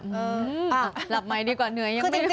หลับใหม่ดีกว่าเหนื่อยยังไม่ได้